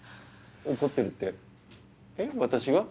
怒ってるってえっ私が？